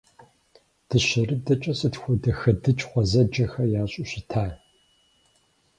Дыщэрыдэкӏэ сыт хуэдэ хэдыкӏ гъуэзэджэхэр ящӏу щыта!